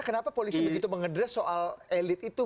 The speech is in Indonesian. kenapa polisi begitu mengedres soal elit itu